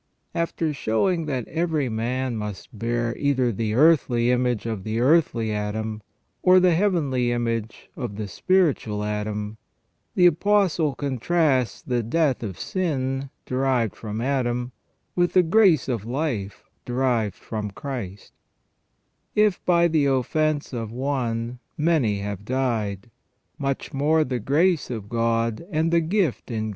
After showing that every man must bear either the earthly image of the earthly Adam or the heavenly image of the spiritual Adam, the Apostle contrasts the death of sin derived from Adam with the grace of life derived from Christ :" If by the offence of one many have died, much more the grace of God and the gift in THE REGENERATION OF MAN.